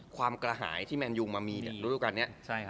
ความกระหายที่แมนยุงมามีในรูปการณ์เนี้ย